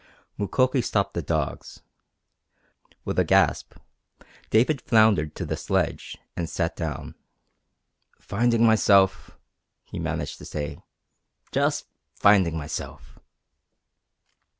Mukoki stopped the dogs. With a gasp David floundered to the sledge and sat down. "Finding myself," he managed to say. "Just finding myself!"